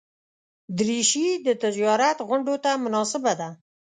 دریشي د تجارت غونډو ته مناسبه ده.